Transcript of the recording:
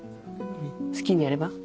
好きにやれば？